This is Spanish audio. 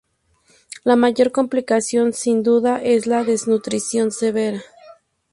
La mayor complicación sin duda es la desnutrición severa.